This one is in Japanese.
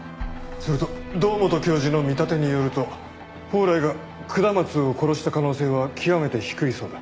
それと堂本教授の見立てによると宝来が下松を殺した可能性は極めて低いそうだ。